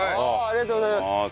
ありがとうございます。